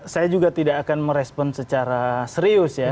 saya juga tidak akan merespon secara serius ya